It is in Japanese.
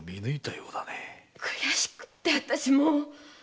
悔しくて私もう！